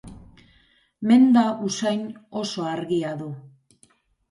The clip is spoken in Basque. Menda usain oso argia du.